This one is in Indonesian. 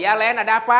ya len ada apa